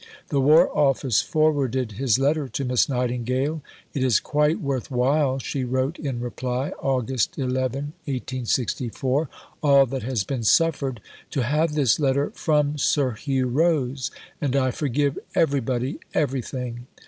The War Office forwarded his letter to Miss Nightingale. "It is quite worth while," she wrote in reply (Aug. 11, 1864), "all that has been suffered, to have this letter from Sir Hugh Rose. And I forgive everybody everything."